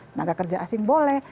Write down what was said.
tenaga kerja asing boleh